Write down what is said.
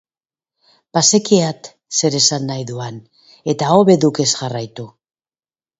Bazekiat zer esan nahi duan eta hobe duk ez jarraitu!